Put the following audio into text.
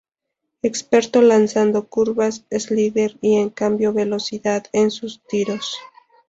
Experto lanzando curvas, slider y en cambio de velocidad en sus tiros.